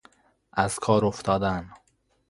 از کار افتادن